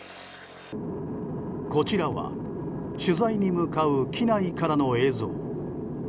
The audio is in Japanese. こちらは取材に向かう機内からの映像。